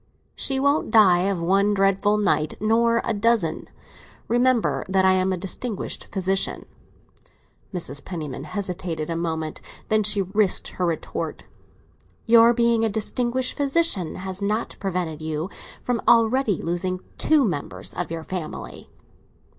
"She won't die of one dreadful night, nor of a dozen. Remember that I am a distinguished physician." Mrs. Penniman hesitated a moment. Then she risked her retort. "Your being a distinguished physician has not prevented you from already losing two members of your family!"